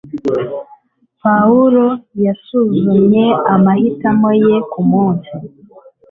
Paul yasuzumye amahitamo ye kumunsi.